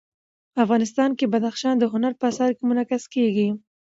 افغانستان کې بدخشان د هنر په اثار کې منعکس کېږي.